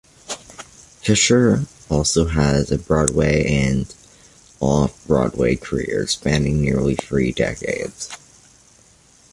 Fisher also has a Broadway and off-Broadway career spanning nearly three decades.